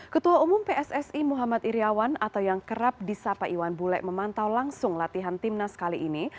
ketua umum pssi muhammad iryawan atau yang kerap disapa iwan bule memantau langsung latihan timnas kali ini